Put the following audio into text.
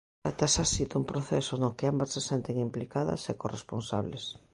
Trátase así dun proceso no que ambas se senten implicadas e corresponsables.